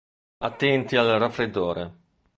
Attenti al raffreddore!